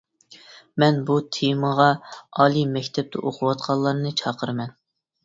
مەن بۇ تېمىغا ئالىي مەكتەپتە ئوقۇۋاتقانلارنى چاقىرىمەن!